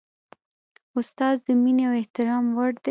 استاد د مینې او احترام وړ دی.